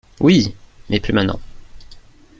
Oui !… mais plus maintenant.